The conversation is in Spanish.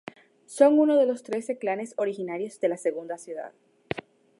Son uno de los trece clanes originarios de la Segunda Ciudad.